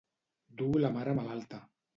Dur la mare malalta.